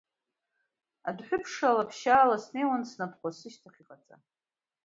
Адәҳәыԥшала ԥшьаала снеиуан, снапқәа сышьҭахь иҟаҵа.